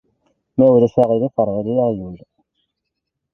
Ma ulac aɣiliif, rḍel-iyi aɣyul.